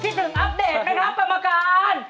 คิดถึงอัพเดทไหมครับประมาการณ์